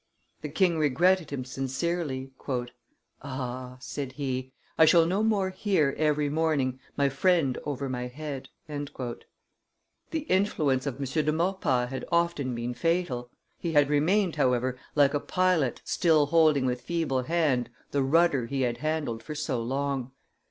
The king regretted him sincerely. "Ah!" said he, "I shall no more hear, every morning, my friend over my head." The influence of M. de Maurepas had often been fatal; he had remained, however, like a pilot still holding with feeble hand the rudder he had handled for so long.